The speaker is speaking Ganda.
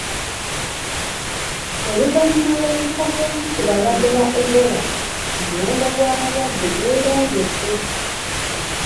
Oluvannyuma lw'okufa kw'omu ku balwadde ba Ebola, omuwendo gw'abalwadde gweyongedde.